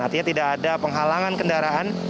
artinya tidak ada penghalangan kendaraan